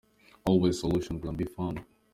always solution can be found.